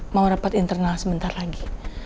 mau rapat internal sebentar lagi